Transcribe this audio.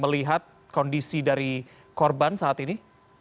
melihat kondisi dari korban saat ini